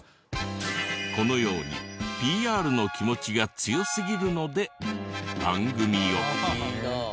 このようにＰＲの気持ちが強すぎるので番組を。